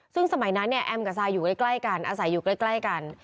ซึ่งสมัยนั้นเนี่ยแอมกับซายอยู่ใกล้กันอาศัยอยู่ใกล้กัน